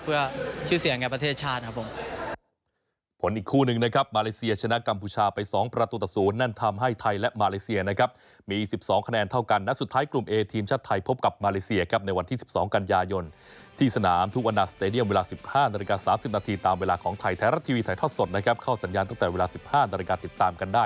เพื่อชื่อเสียงในประเทศชาติครับผม